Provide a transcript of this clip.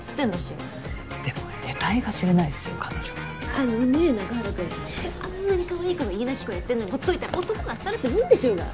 あのね中原くんあんなにかわいい子が家なき子やってんのに放っといたら男が廃るってもんでしょうが。